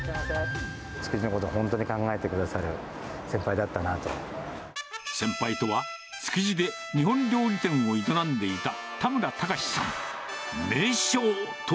築地のことを本当に考えてく先輩とは、築地で日本料理店を営んでいた田村隆さん。